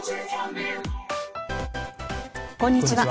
こんにちは。